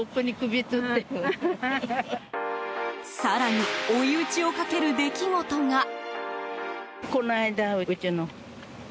更に追い打ちをかける出来事が。